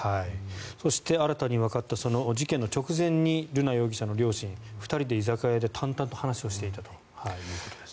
そして新たにわかった事件の直前に瑠奈容疑者の両親が２人で居酒屋で淡々と話をしていたということです。